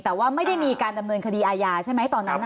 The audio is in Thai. แต่ว่าไม่ได้มีการดำเนินคดีอาญาใช่ไหมตอนนั้น